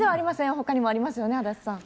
ほかにもありますよね、足立さん。